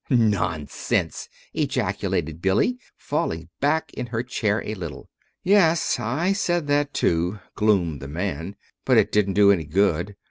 "Nonsense!" ejaculated Billy, falling back in her chair a little. "Yes, I said that, too," gloomed the man; "but it didn't do any good.